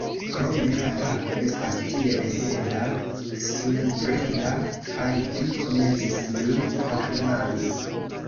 Krome, la tago estas tiel hela, sunbrila, kaj vi komencis min ornami.